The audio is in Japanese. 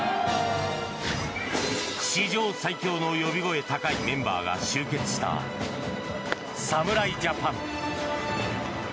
史上最強の呼び声高いメンバーが集結した侍ジャパン。